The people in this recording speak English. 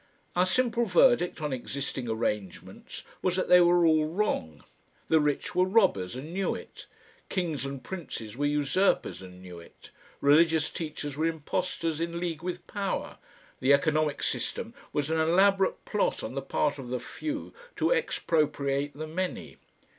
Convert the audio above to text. Our simple verdict on existing arrangements was that they were "all wrong." The rich were robbers and knew it, kings and princes were usurpers and knew it, religious teachers were impostors in league with power, the economic system was an elaborate plot on the part of the few to expropriate the many.